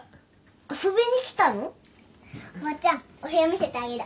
おばちゃんお部屋見せてあげる。